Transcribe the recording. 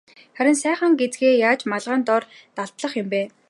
Харин сайхан гэзгээ яаж малгайн дор далдлах юм бэ?